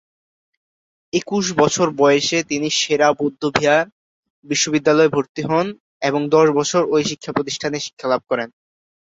একুশ বছর বয়সে তিনি সে-রা বৌদ্ধবিহার বিশ্ববিদ্যালয়ে ভর্তি হন এবং দশ বছর ঐ প্রতিষ্ঠানে শিক্ষালাভ করেন।